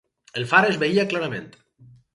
El far es veia clarament.